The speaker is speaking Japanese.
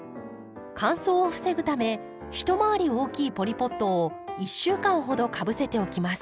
乾燥を防ぐため一回り大きいポリポットを１週間ほどかぶせておきます。